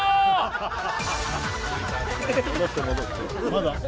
まだ？